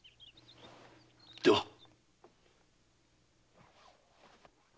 では。